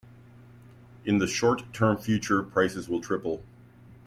In the short term future, prices will triple.